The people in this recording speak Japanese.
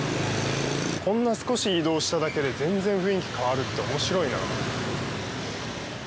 こんな少し移動しただけで全然雰囲気変わるっておもしろいなあ。